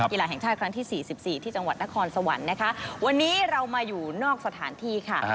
กีฬาแห่งชาติครั้งที่สี่สิบสี่ที่จังหวัดนครสวรรค์นะคะวันนี้เรามาอยู่นอกสถานที่ค่ะ